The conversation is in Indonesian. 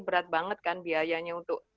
berat banget kan biayanya untuk